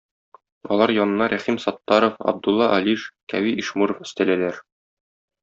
Алар янына Рәхим Саттаров, Абдулла Алиш, Кәви Ишмуров өстәләләр.